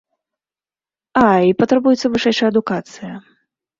А, і патрабуецца вышэйшая адукацыя.